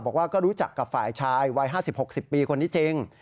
บอกว่าก็รู้จักกับฝ่ายชายวัย๕๐๖๐ปีคนนี้จริง